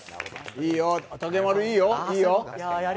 いいよ、武丸いいよ。